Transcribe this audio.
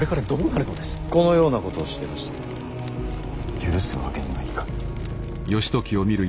このようなことをしでかして許すわけにはいかぬ。